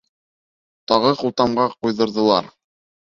Тағы ҡултамға ҡуйҙырҙылар.